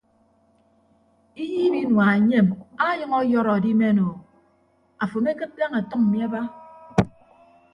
Iyiib inua enyem anyʌñ ọyọrọ adimen o afo amekịd daña atʌñ mmi aba.